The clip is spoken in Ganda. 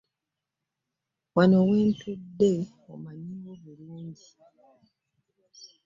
Wano we ntudde omanyiiwo bulungi.